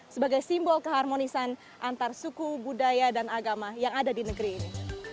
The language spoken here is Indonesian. sebagai simbol keharmonisan antar suku budaya dan agama yang ada di negeri ini